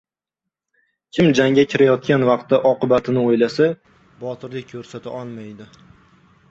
Kim jangga kirayotgan vaqtda oqibatini o‘ylasa, botirlik ko‘rsata olmaydi.